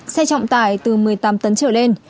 xe trọng tải từ một mươi tám tấn trở lên